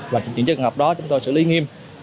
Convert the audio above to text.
và những trường hợp đó chúng tôi xử lý nghiêm